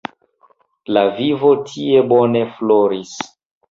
La vivo tie bone floris.